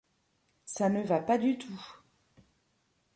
Ça ne va pas du tout.